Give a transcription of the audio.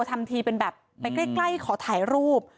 ทำทีเป็นแบบไปใกล้ขอถ่ายรูป